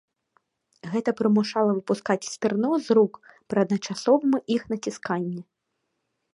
Гэта прымушала выпускаць стырно з рук пры адначасовым іх націсканні.